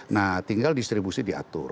nah tinggal distribusi diatur